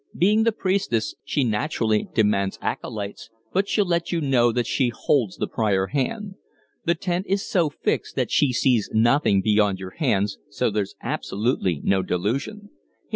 Being the priestess, she, naturally demands acolytes; but she'll let you know that she holds the prior place. The tent is so fixed that she sees nothing beyond your hands; so there's absolutely no delusion."